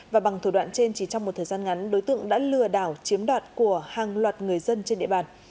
và bằng thủ đoạn trên chỉ trong một thời gian ngắn đối tượng đã lừa đảo chiếm đoạt của hàng loạt người dân trên địa bàn